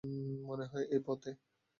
মনে হয় এই পথে।